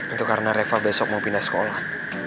itu karena reval besok mau pindah sekolah